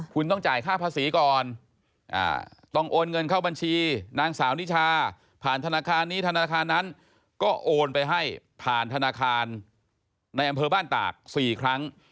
ก็โอนไปให้ผ่านธนาคารในอำเภอบ้านตาก๔ครั้ง